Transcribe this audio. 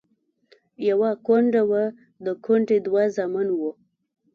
يوه کونډه وه، د کونډې دوه زامن وو.